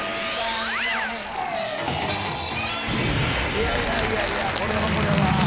いやいやいやいやこれはこれは。